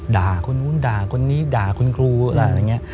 ด่าคนนู้นด่าคนนี้ด่าคุณครูอะไรอย่างนี้